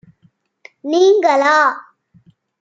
நீங்களா?